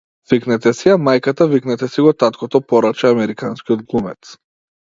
Викнете си ја мајката, викнете си го таткото, порача американскиот глумец.